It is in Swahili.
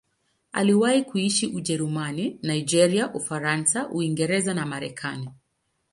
Aliwahi kuishi Ujerumani, Nigeria, Ufaransa, Uingereza na Marekani.